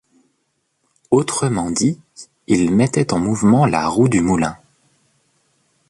Autrement dit, il mettait en mouvement la roue du moulin.